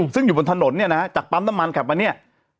ซึ่งอยู่บนถนนเนี่ยนะฮะจากปั๊มน้ำมันขับมาเนี่ย